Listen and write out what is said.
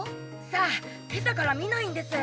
さあ今朝から見ないんです。